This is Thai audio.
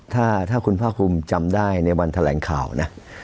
ถ้าคุณภาคภูมิจำได้ในวันแถลงข่าวนะ